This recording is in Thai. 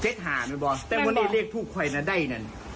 เจ็ดหาไม่บอกแต่ว่าเนี่ยเลขถูกค่อยน่าได้นั่น